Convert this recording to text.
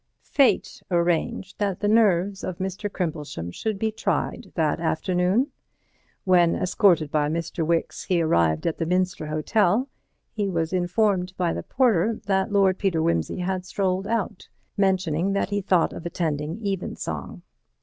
Fate arranged that the nerves of Mr. Crimplesham should be tried that afternoon. When, escorted by Mr. Wicks, he arrived at the Minster Hotel, he was informed by the porter that Lord Peter Wimsey had strolled out, mentioning that he thought of attending Evensong.